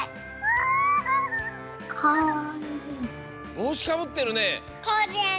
ぼうしかぶってるね。